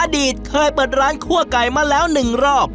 อดีตเคยเปิดร้านคั่วไก่มาแล้ว๑รอบ